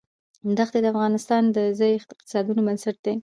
دښتې د افغانستان د ځایي اقتصادونو بنسټ دی.